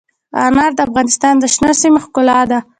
انار د افغانستان د شنو سیمو ښکلا ده.